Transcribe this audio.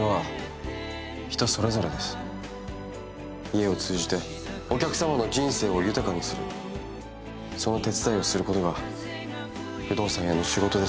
家を通じてお客様の人生を豊かにするその手伝いをすることが不動産屋の仕事ですから。